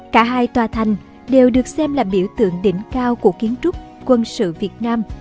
cả hai tòa thành đều được xem là biểu tượng đỉnh cao của kiến trúc quân sự việt nam